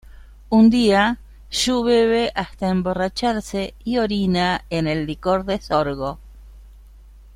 Un día, Yu bebe hasta emborracharse y orina en el licor de sorgo.